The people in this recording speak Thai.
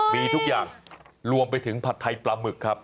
มีทุกอย่างรวมไปถึงผัดไทยปลาหมึกครับ